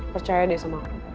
percaya deh sama aku